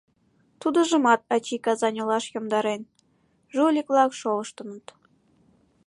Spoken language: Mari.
Тудыжымат ачий Казань олаш йомдарен: жулик-влак шолыштыныт.